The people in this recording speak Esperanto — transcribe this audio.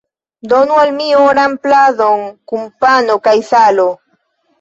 Donu al mi oran pladon kun pano kaj salo!